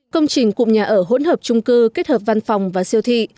công trình cụm nhà ở hỗn hợp trung cư kết hợp văn phòng và siêu thị